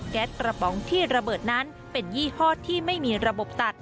กระป๋องที่ระเบิดนั้นเป็นยี่ห้อที่ไม่มีระบบตัด